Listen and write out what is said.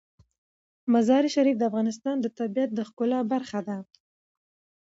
مزارشریف د افغانستان د طبیعت د ښکلا برخه ده.